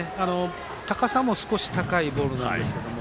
高さも少し高いボールなんですが。